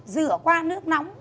rửa qua nước nóng